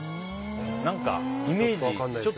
何かイメージ。